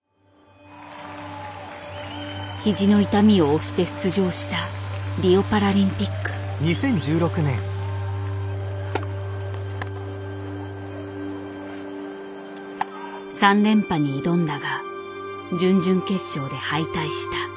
肘の痛みを押して出場した３連覇に挑んだが準々決勝で敗退した。